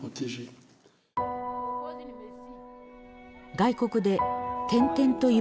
外国で転々と居